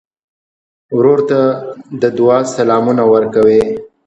ورور ته د دعا سلامونه ورکوې.